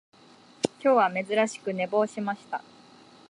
今日は珍しく寝坊しました